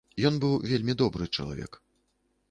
Ён быў вельмі добры чалавек.